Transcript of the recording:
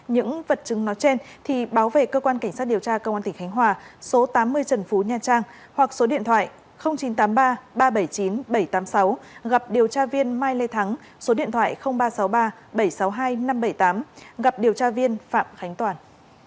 những vật chứng nói trên thì báo về cơ quan cảnh sát điều tra công an tỉnh khánh hòa số tám mươi trần phú nha trang hoặc số điện thoại chín trăm tám mươi ba ba trăm bảy mươi chín bảy trăm tám mươi sáu gặp điều tra viên mai lê thắng số điện thoại ba trăm sáu mươi ba bảy trăm sáu mươi hai năm trăm bảy mươi tám gặp điều tra viên phạm khánh toàn